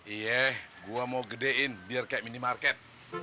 iya gue mau gedein biar kayak minimarket